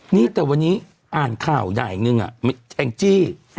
นี่แต่วันนี้อ่านข้าวใหญ่หนึ่งอ่ะแอ็งจี่อ่ะ